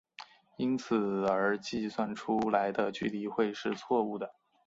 因此而计算出来的距离会是错武的。